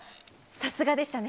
さすがでしたね。